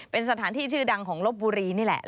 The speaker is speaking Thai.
เป็นสถานที่ชื่อดังของลบบุรีนี่แหละ